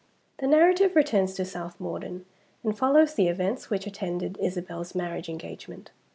THE narrative returns to South Morden, and follows the events which attended Isabel's marriage engagement.